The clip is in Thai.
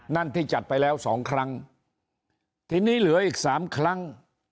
นั่นที่จัดไปแล้วสองครั้งทีนี้เหลืออีกสามครั้ง